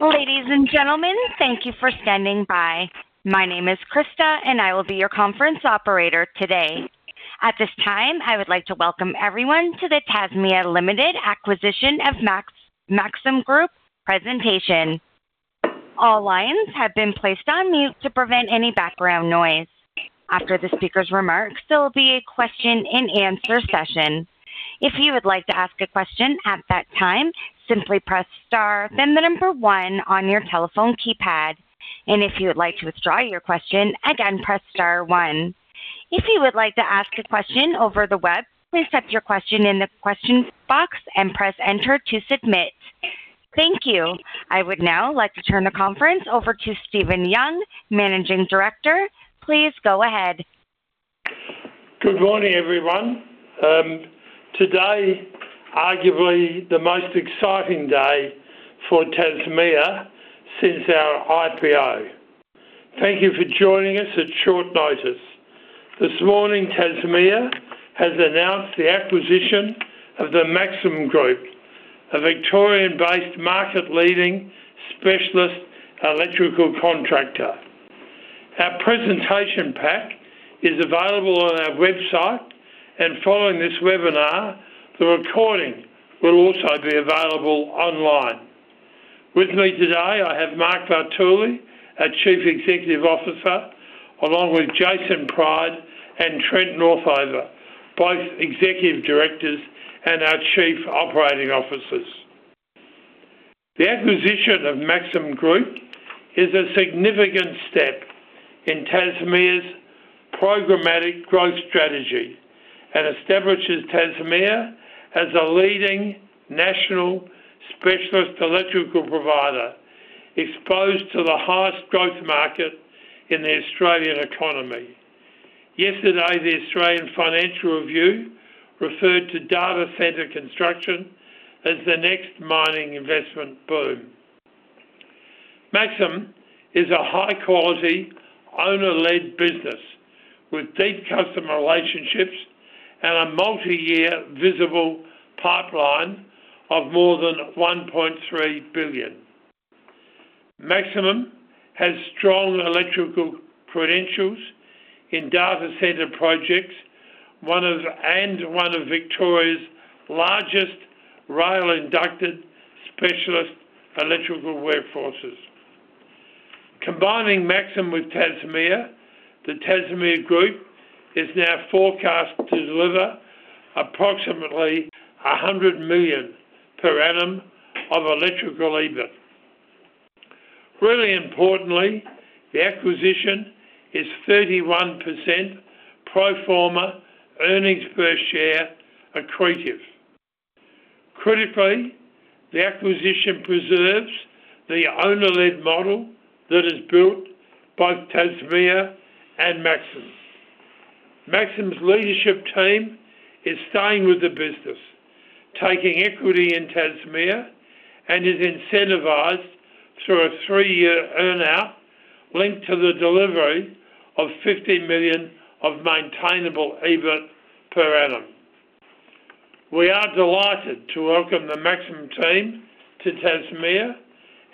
Ladies and gentlemen, thank you for standing by. My name is Krista and I will be your conference operator today. At this time, I would like to welcome everyone to the Tasmea Limited acquisition of Maxim Group presentation. All lines have been placed on mute to prevent any background noise. After the speaker's remarks, there will be a question and answer session. If you would like to ask a question at that time, simply press star then the number one on your telephone keypad. If you would like to withdraw your question, again, press star one. If you would like to ask a question over the web, please type your question in the questions box and press enter to submit. Thank you. I would now like to turn the conference over to Stephen Young, Managing Director. Please go ahead. Good morning, everyone. Today, arguably the most exciting day for Tasmea since our IPO. Thank you for joining us at short notice. This morning, Tasmea has announced the acquisition of the Maxim Group, a Victorian-based market leading specialist electrical contractor. Our presentation pack is available on our website, and following this webinar, the recording will also be available online. With me today, I have Mark Vartuli, our Chief Executive Officer, along with Jason Pryde and Trent Northover, both Executive Directors and our Chief Operating Officers. The acquisition of Maxim Group is a significant step in Tasmea's programmatic growth strategy and establishes Tasmea as a leading national specialist electrical provider exposed to the highest growth market in the Australian economy. Yesterday, the Australian Financial Review referred to data center construction as the next mining investment boom. Maxim is a high-quality, owner-led business with deep customer relationships and a multi-year visible pipeline of more than 1.3 billion. Maxim has strong electrical credentials in data center projects and one of Victoria's largest rail inducted specialist electrical workforces. Combining Maxim with Tasmea, the Tasmea Group is now forecast to deliver approximately 100 million per annum of electrical EBIT. Really importantly, the acquisition is 31% pro forma earnings per share accretive. Critically, the acquisition preserves the owner-led model that is built by Tasmea and Maxim. Maxim's leadership team is staying with the business, taking equity in Tasmea, and is incentivized through a three-year earn-out linked to the delivery of 50 million of maintainable EBIT per annum. We are delighted to welcome the Maxim team to Tasmea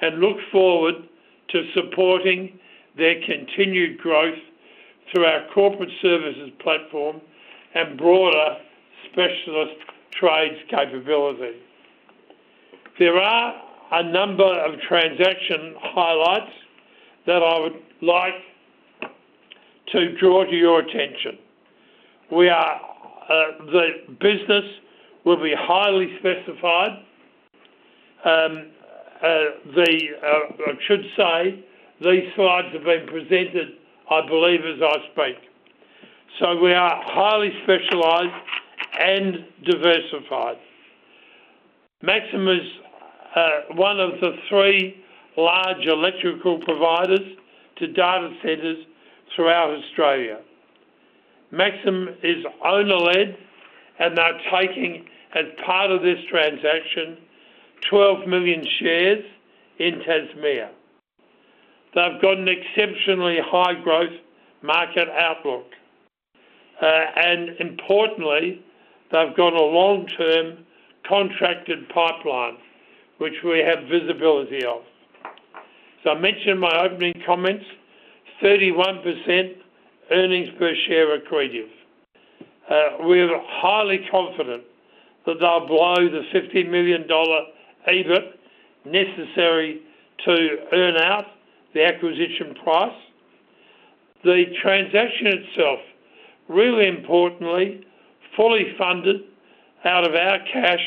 and look forward to supporting their continued growth through our corporate services platform and broader specialist trades capability. There are a number of transaction highlights that I would like to draw to your attention. The business will be highly specified. I should say, these slides have been presented, I believe, as I speak. We are highly specialized and diversified. Maxim is one of the three large electrical providers to data centers throughout Australia. Maxim is owner-led and are taking, as part of this transaction, 12 million shares in Tasmea. They've got an exceptionally high growth market outlook. Importantly, they've got a long-term contracted pipeline, which we have visibility of. I mentioned in my opening comments, 31% earnings per share accretive. We're highly confident that they'll blow the 50 million dollar EBIT necessary to earn out the acquisition price. The transaction itself, really importantly, fully funded out of our cash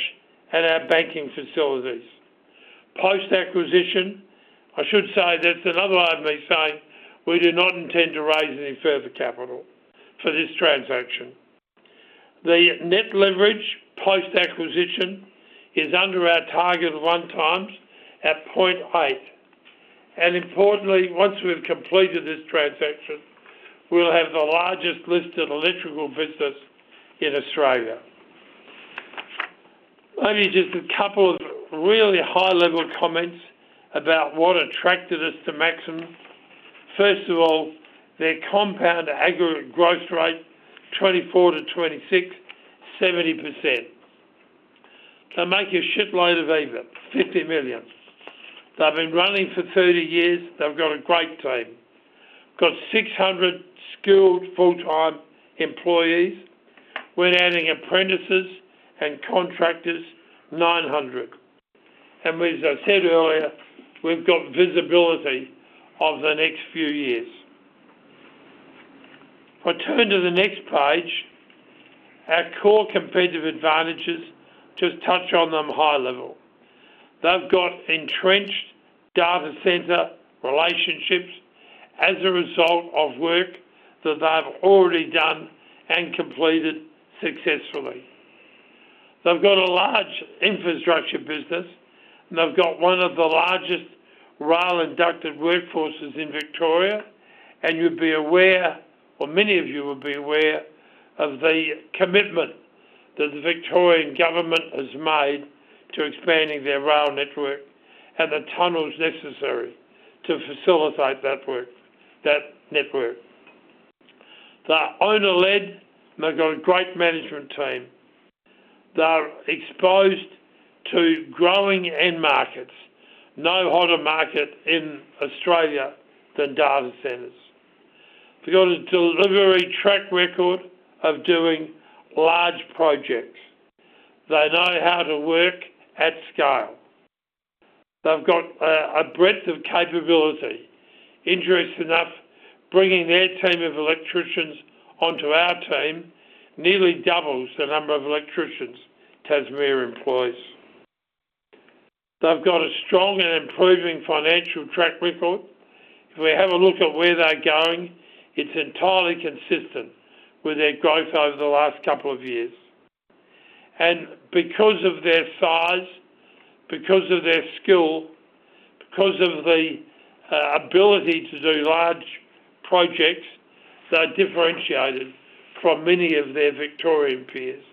and our banking facilities. Post-acquisition, I should say that's another way of me saying we do not intend to raise any further capital for this transaction. The net leverage post-acquisition is under our target of one times at 0.8. Importantly, once we've completed this transaction, we'll have the largest listed electrical business in Australia. Maybe just a couple of really high-level comments about what attracted us to Maxim. First of all, their compound aggregate growth rate, 2024 to 2026, 70%. They make a shitload of EBIT, 50 million. They've been running for 30 years. They've got a great team. They've got 600 skilled full-time employees. When adding apprentices and contractors, 900. As I said earlier, we've got visibility of the next few years. If I turn to the next page, our core competitive advantages, just touch on them high level. They've got entrenched data center relationships as a result of work that they've already done and completed successfully. They've got a large infrastructure business and they've got one of the largest rail inducted workforces in Victoria, and many of you will be aware of the commitment that the Victorian Government has made to expanding their rail network and the tunnels necessary to facilitate that network. They are owner-led, and they've got a great management team. They are exposed to growing end markets. No hotter market in Australia than data centers. They've got a delivery track record of doing large projects. They know how to work at scale. They've got a breadth of capability. Interesting enough, bringing their team of electricians onto our team nearly doubles the number of electricians Tasmea employs. They've got a strong and improving financial track record. If we have a look at where they're going, it's entirely consistent with their growth over the last couple of years. Because of their size, because of their skill, because of the ability to do large projects, they're differentiated from many of their Victorian peers,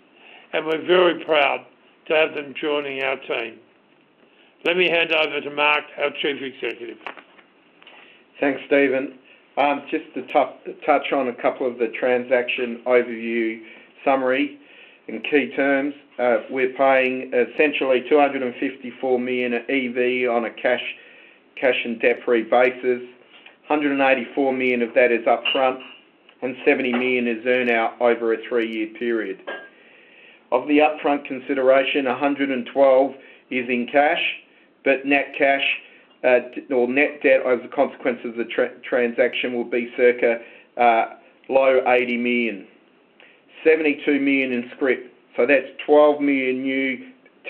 and we're very proud to have them joining our team. Let me hand over to Mark, our Chief Executive. Thanks, Stephen. Just to touch on a couple of the transaction overview summary in key terms. We're paying essentially 254 million at EV on a cash and debt-free basis. 184 million of that is upfront and 70 million is earn out over a three-year period. Of the upfront consideration, 112 million is in cash, but net cash, or net debt as a consequence of the transaction will be circa low 80 million. 72 million in scrip. That's 12 million new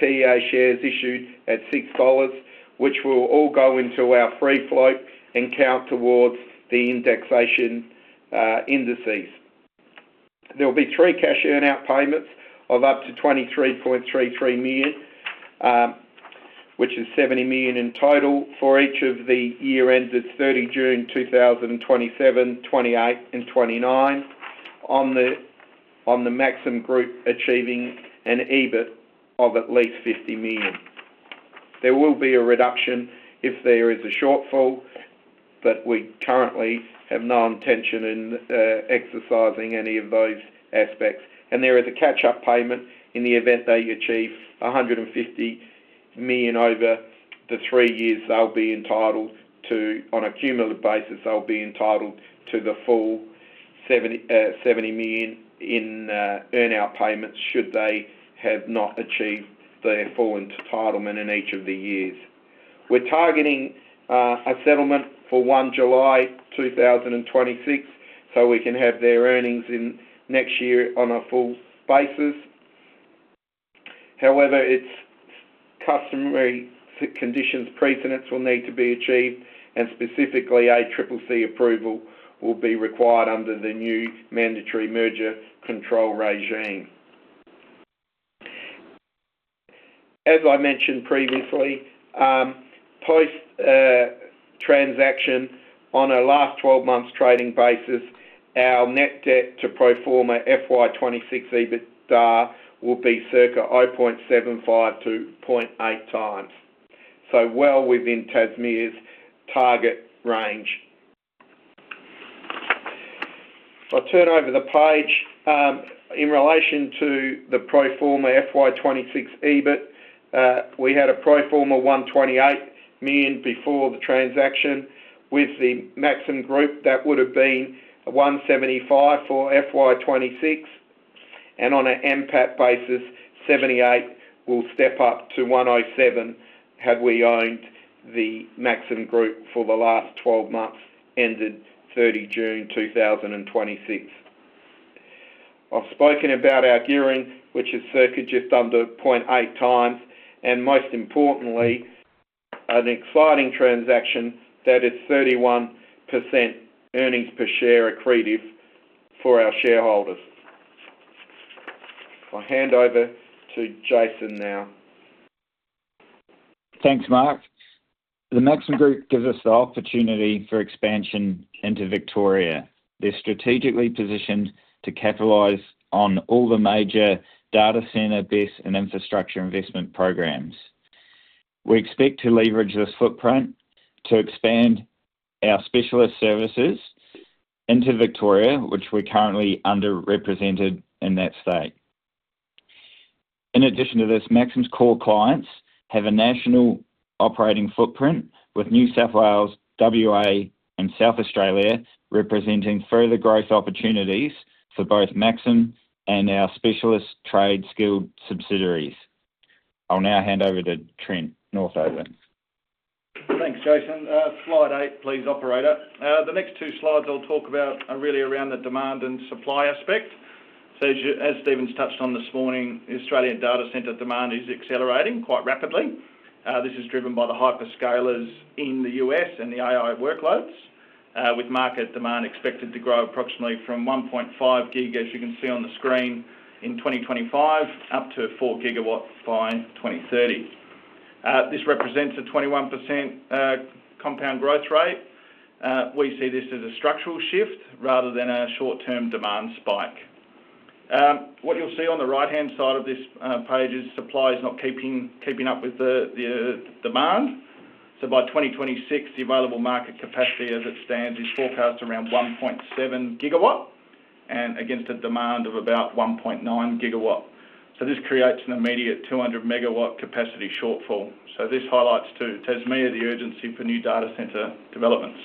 TEA shares issued at 6 dollars, which will all go into our free float and count towards the indexation indices. There'll be three cash earn out payments of up to 23.33 million, which is 70 million in total for each of the year ended 30 June 2027, 2028, and 2029 on the Maxim Group achieving an EBIT of at least 50 million. There will be a reduction if there is a shortfall, we currently have no intention in exercising any of those aspects. There is a catch-up payment in the event they achieve 150 million over the three years, on a cumulative basis, they'll be entitled to the full 70 million in earn out payments should they have not achieved their full entitlement in each of the years. We're targeting a settlement for 1 July 2026, so we can have their earnings in next year on a full basis. However, it's customary conditions precedents will need to be achieved, and specifically ACCC approval will be required under the new mandatory merger control regime. As I mentioned previously, post transaction on a last 12 months trading basis, our net debt to pro forma FY 2026 EBITDA will be circa 0.75x to 0.8x. Well within Tasmea's target range. If I turn over the page, in relation to the pro forma FY 2026 EBIT, we had a pro forma 128 million before the transaction. With the Maxim Group, that would've been 175 million for FY 2026, and on an NPAT basis, 78 million will step up to 107 million had we owned the Maxim Group for the last 12 months ended 30 June 2026. I've spoken about our gearing, which is circa just under 0.8x, and most importantly, an exciting transaction that is 31% earnings per share accretive for our shareholders. I'll hand over to Jason now. Thanks, Mark. The Maxim Group gives us the opportunity for expansion into Victoria. They're strategically positioned to capitalize on all the major data center base and infrastructure investment programs. We expect to leverage this footprint to expand our specialist services into Victoria, which we're currently underrepresented in that state. In addition to this, Maxim's core clients have a national operating footprint with New South Wales, WA, and South Australia representing further growth opportunities for both Maxim and our specialist trade skilled subsidiaries. I'll now hand over to Trent Northover. Thanks, Jason. Slide eight please, operator. The next two slides I'll talk about are really around the demand and supply aspect. As Stephen's touched on this morning, the Australian data center demand is accelerating quite rapidly. This is driven by the hyperscalers in the U.S. and the AI workloads, with market demand expected to grow approximately from 1.5 GW, as you can see on the screen, in 2025, up to 4 GW by 2030. This represents a 21% compound growth rate. We see this as a structural shift rather than a short-term demand spike. What you'll see on the right-hand side of this page is supply is not keeping up with the demand. By 2026, the available market capacity as it stands is forecast around 1.7 GW and against a demand of about 1.9 GW. This creates an immediate 200 MW capacity shortfall. This highlights too, Tasmea, the urgency for new data center developments.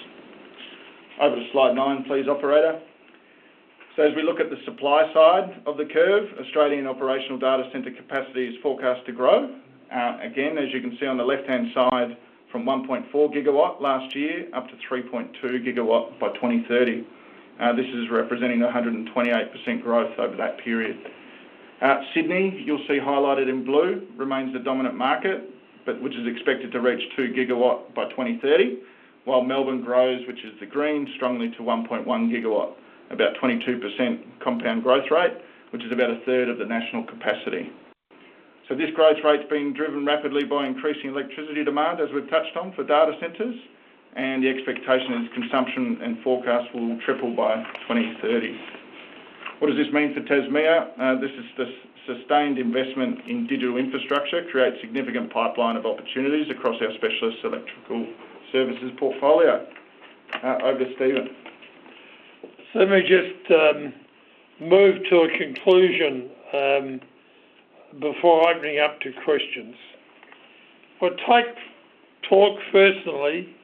Over to slide nine please, operator. As we look at the supply side of the curve, Australian operational data center capacity is forecast to grow. Again, as you can see on the left-hand side, from 1.4 GW last year up to 3.2 GW by 2030. This is representing 128% growth over that period. Sydney, you'll see highlighted in blue, remains the dominant market, which is expected to reach 2 GW by 2030, while Melbourne grows, which is the green, strongly to 1.1 GW, about 22% compound growth rate, which is about a third of the national capacity. This growth rate's being driven rapidly by increasing electricity demand, as we've touched on for data centers, and the expectation is consumption and forecast will triple by 2030. What does this mean for Tasmea? This is the sustained investment in digital infrastructure creates significant pipeline of opportunities across our specialist electrical services portfolio. Over to Stephen. Let me just move to a conclusion before opening up to questions. We'll talk firstly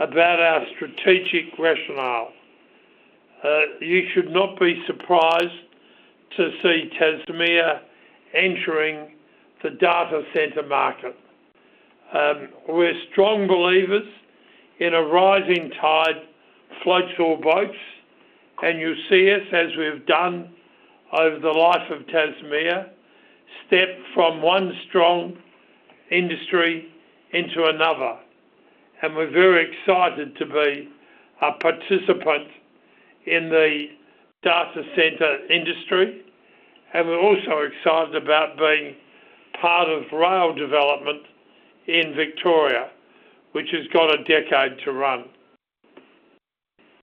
about our strategic rationale. You should not be surprised to see Tasmea entering the data center market. We're strong believers in a rising tide floats all boats, and you'll see us, as we've done over the life of Tasmea, step from one strong industry into another. We're very excited to be a participant in the data center industry, and we're also excited about being part of rail development in Victoria, which has got a decade to run.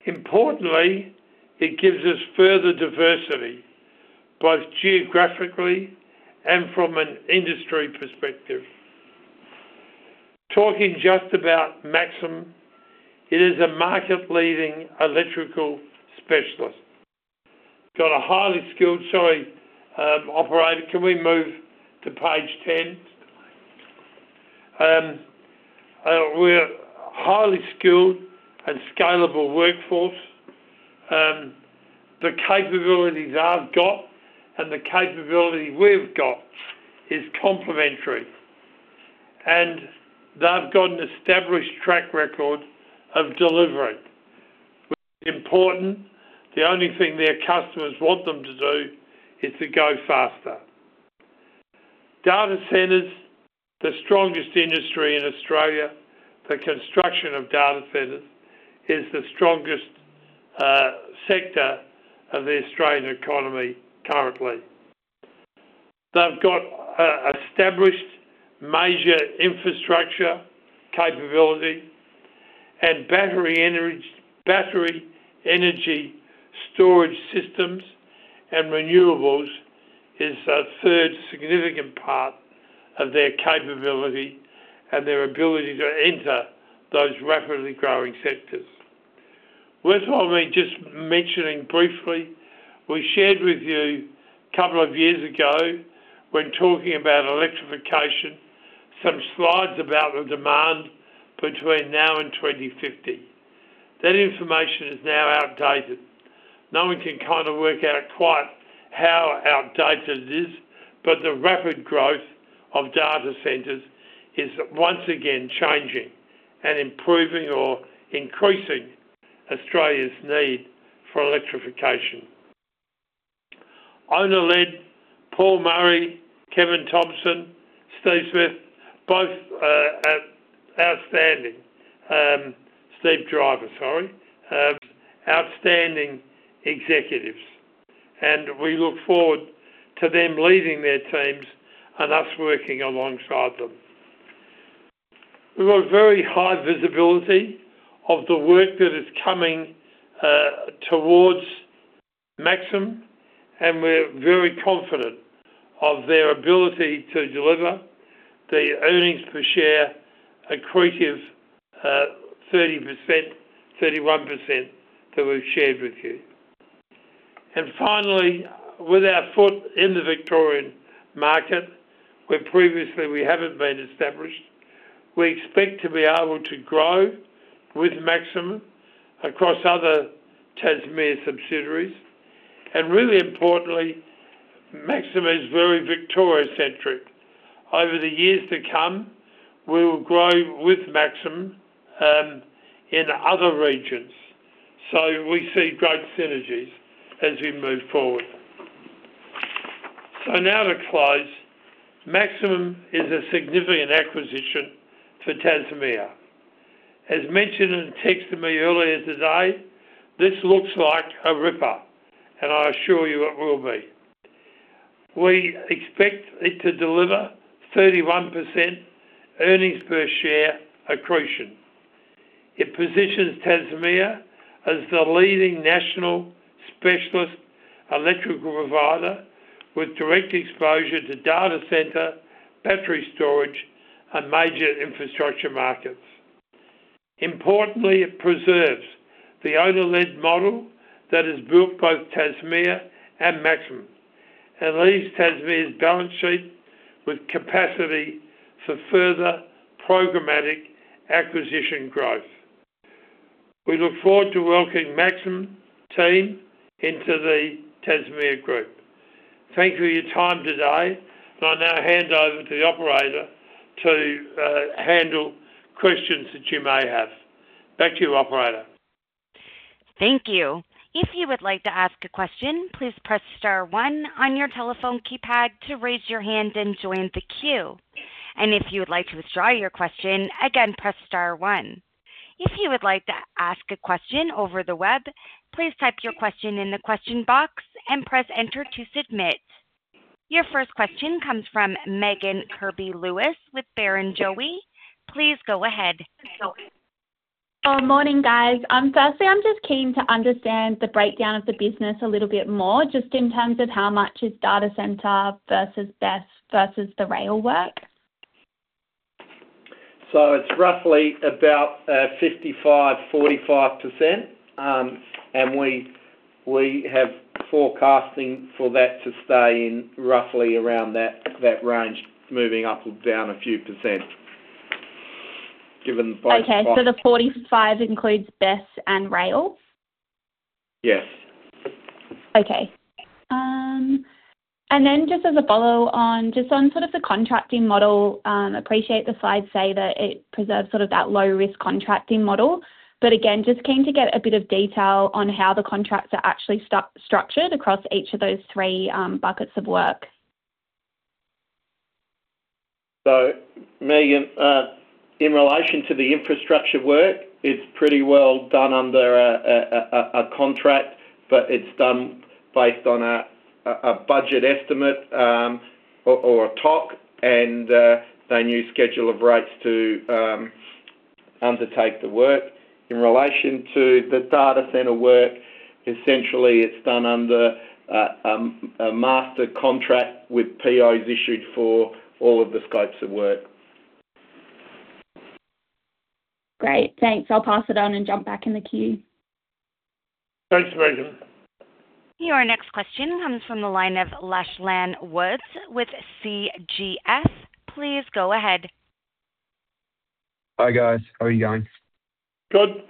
Importantly, it gives us further diversity, both geographically and from an industry perspective. Talking just about Maxim, it is a market-leading electrical specialist. Operator, can we move to page 10? We're a highly skilled and scalable workforce. The capabilities they've got and the capability we've got is complementary. They've got an established track record of delivering. Important, the only thing their customers want them to do is to go faster. Data centers, the strongest industry in Australia. The construction of data centers is the strongest sector of the Australian economy currently. They've got established major infrastructure capability and battery energy storage systems and renewables is a third significant part of their capability and their ability to enter those rapidly growing sectors. Worthwhile me just mentioning briefly, we shared with you a couple of years ago when talking about electrification some slides about the demand between now and 2050. That information is now outdated. No one can kind of work out quite how outdated it is. The rapid growth of data centers is once again changing and improving or increasing Australia's need for electrification. Owner-led, Paul Murray, Kevin Thompson, Steve Driver, both outstanding. Steve Driver, sorry. Outstanding executives. We look forward to them leading their teams and us working alongside them. We've got very high visibility of the work that is coming towards Maxim, and we're very confident of their ability to deliver the earnings per share accretive 30%, 31% that we've shared with you. Finally, with our foot in the Victorian market, where previously we haven't been established, we expect to be able to grow with Maxim across other Tasmea subsidiaries. Really importantly, Maxim is very Victoria-centric. Over the years to come, we will grow with Maxim in other regions. We see great synergies as we move forward. Now to close, Maxim is a significant acquisition for Tasmea. As mentioned in the text to me earlier today, this looks like a ripper, and I assure you it will be. We expect it to deliver 31% earnings per share accretion. It positions Tasmea as the leading national specialist electrical provider with direct exposure to data center, battery storage, and major infrastructure markets. Importantly, it preserves the owner-led model that has built both Tasmea and Maxim and leaves Tasmea's balance sheet with capacity for further programmatic acquisition growth. We look forward to welcoming Maxim team into the Tasmea Group. Thank you for your time today. I'll now hand over to the operator to handle questions that you may have. Back to you, operator. Thank you. If you would like to ask a question, please press star one on your telephone keypad to raise your hand and join the queue. And if you would like to withdraw your question, again, press star one. If you would like to ask a question over the web, please type your question in the question box and press enter to submit. Your first question comes from Megan Kirby-Lewis with Barrenjoey. Please go ahead. Good morning, guys. I'm just keen to understand the breakdown of the business a little bit more, just in terms of how much is data center versus BESS versus the rail work. It's roughly about 55%-45%, and we have forecasting for that to stay in roughly around that range, moving up or down a few percent given both. Okay, the 45% includes BESS and rail? Yes. Okay. Just as a follow on just on sort of the contracting model, appreciate the slides say that it preserves that low-risk contracting model. Again, just keen to get a bit of detail on how the contracts are actually structured across each of those three buckets of work. Megan, in relation to the infrastructure work, it's pretty well done under a contract, but it's done based on a budget estimate or a TOC and they use schedule of rates to undertake the work. In relation to the data center work, essentially it's done under a master contract with POs issued for all of the scopes of work. Great. Thanks. I'll pass it on and jump back in the queue. Thanks, Megan. Your next question comes from the line of Lachlan Woods with CGS. Please go ahead. Hi, guys. How are you going? Good.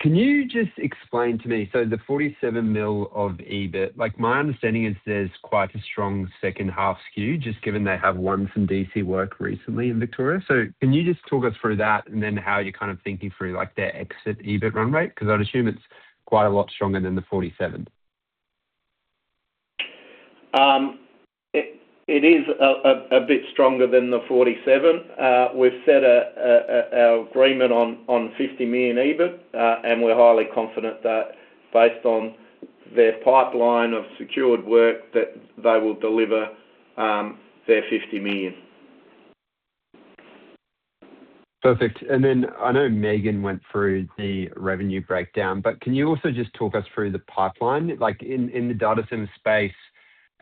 Can you just explain to me, the 47 million of EBIT, my understanding is there's quite a strong second half skew, just given they have won some DC work recently in Victoria. Can you just talk us through that and then how you're kind of thinking through their exit EBIT run rate? I'd assume it's quite a lot stronger than the 47 million. It is a bit stronger than the 47. We've set our agreement on 50 million EBIT, and we're highly confident that based on their pipeline of secured work, that they will deliver their 50 million. Perfect. I know Megan went through the revenue breakdown, but can you also just talk us through the pipeline? In the data center space,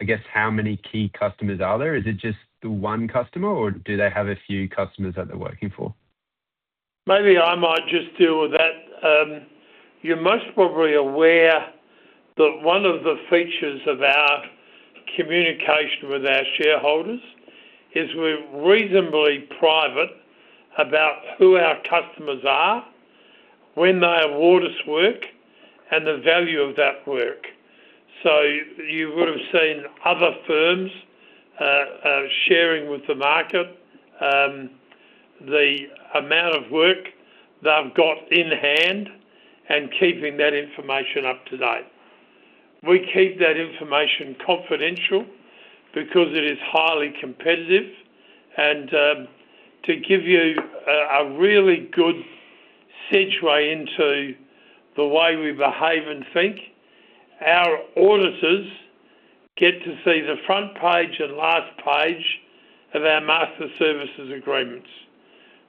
I guess, how many key customers are there? Is it just the one customer, or do they have a few customers that they're working for? Maybe I might just deal with that. You're most probably aware that one of the features of our communication with our shareholders is we're reasonably private about who our customers are, when they award us work, and the value of that work. You would have seen other firms sharing with the market the amount of work they've got in hand and keeping that information up to date. We keep that information confidential because it is highly competitive. To give you a really good segue into the way we behave and think, our auditors get to see the front page and last page of our master services agreements.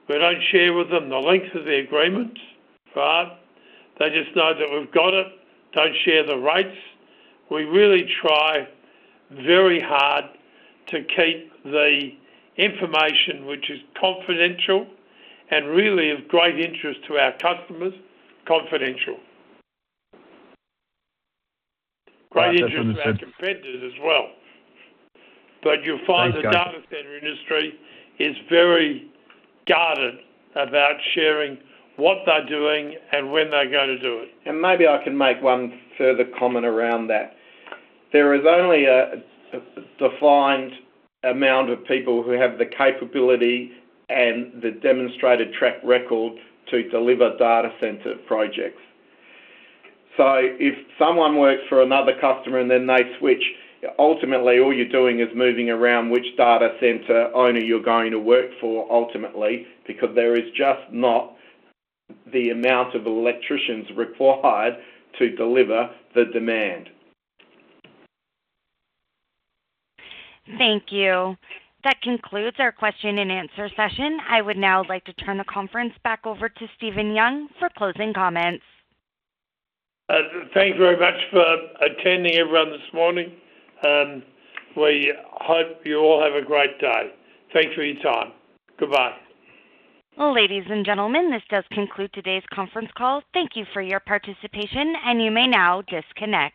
We don't share with them the length of the agreement, but they just know that we've got it, don't share the rates. We really try very hard to keep the information, which is confidential and really of great interest to our customers, confidential. Understood. Great interest to our competitors as well. Thanks, guys. The data center industry is very guarded about sharing what they're doing and when they're going to do it. Maybe I can make one further comment around that. There is only a defined amount of people who have the capability and the demonstrated track record to deliver data center projects. If someone works for another customer and then they switch, ultimately all you're doing is moving around which data center owner you're going to work for ultimately, because there is just not the amount of electricians required to deliver the demand. Thank you. That concludes our question and answer session. I would now like to turn the conference back over to Stephen Young for closing comments. Thank you very much for attending everyone this morning. We hope you all have a great day. Thanks for your time. Goodbye. Ladies and gentlemen, this does conclude today's conference call. Thank you for your participation, and you may now disconnect.